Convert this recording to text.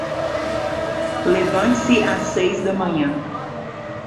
Levante-se às seis da manhã